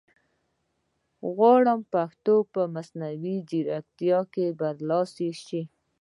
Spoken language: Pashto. غواړم پښتو په مصنوعي ځیرکتیا کې برلاسې شي